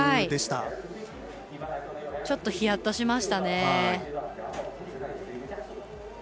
ちょっとヒヤッとしましたね。